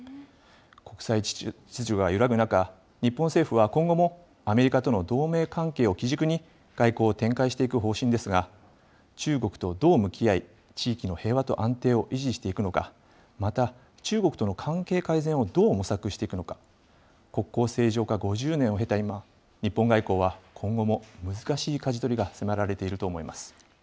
国際秩序が揺らぐ中、日本政府は今後もアメリカとの同盟関係を基軸に、外交を展開していく方針ですが、中国とどう向き合い、地域の平和と安定を維持していくのか、また、中国との関係改善をどう模索していくのか、国交正常化５０年を経た今、日本外交は今後も難しいかじ取りが迫られていると思います。